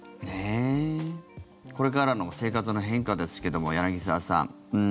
これからの生活の変化ですけども、柳澤さん